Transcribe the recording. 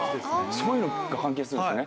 そういうのが関係するんですね。